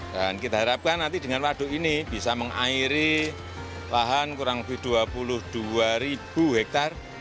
dan kita harapkan nanti dengan waduk ini bisa mengairi lahan kurang lebih dua puluh dua ribu hektare